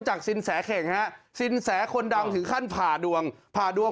สินแสเข่งฮะสินแสคนดังถึงขั้นผ่าดวงผ่าดวง